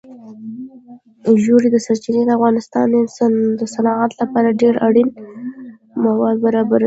ژورې سرچینې د افغانستان د صنعت لپاره ډېر اړین مواد برابروي.